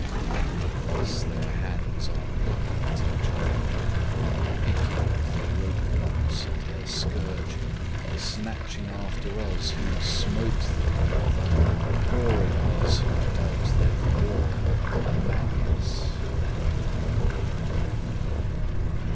Thus their hands are plucking at each other; Picking at the rope knouts of their scourging; Snatching after us who smote them, brother, Pawing us who dealt them war and madness.